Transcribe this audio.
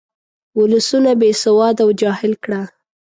ولسونه بې سواده او جاهل کړه.